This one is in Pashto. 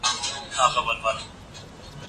خپله څېړنه له ازمایښتي پړاو څخه تېره کړئ.